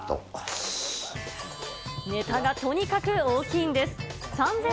ネタがとにかく大きいんです。